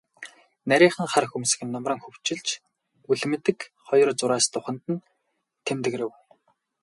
Нарийхан хар хөмсөг нь нумран хөвчилж, үл мэдэг хоёр зураас духанд нь тэмдгэрэв.